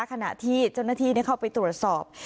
ขณะที่เจ้าหน้าที่เข้าไปตรวจสอบ